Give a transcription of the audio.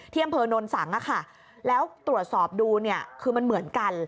อำเภอโนนสังแล้วตรวจสอบดูเนี่ยคือมันเหมือนกัน